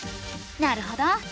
なるほど。